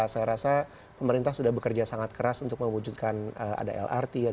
saya rasa pemerintah sudah bekerja sangat keras untuk mewujudkan ada lrt